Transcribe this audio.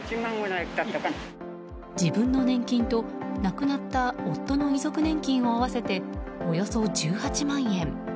自分の年金と亡くなった夫の遺族年金を合わせておよそ１８万円。